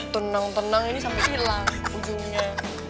tenang tenang ini sampai hilang ujungnya